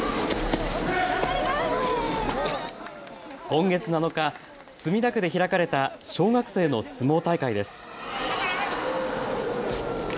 今月７日、墨田区で開かれた小学生の相撲大会です。